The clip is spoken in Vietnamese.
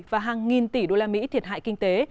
và hàng nghìn tỷ đô la mỹ thiệt hại kinh tế